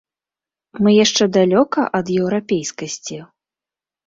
Мы яшчэ далёка ад еўрапейскасці?